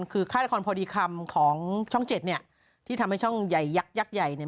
คือค่ายละครพอดีคำของช่องเจ็ดเนี่ยที่ทำให้ช่องใหญ่ยักยักษ์ใหญ่เนี่ย